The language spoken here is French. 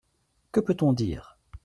Que peut-on dire ?